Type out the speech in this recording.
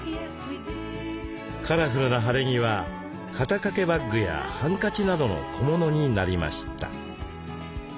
カラフルな晴れ着は肩掛けバッグやハンカチなどの小物になりました。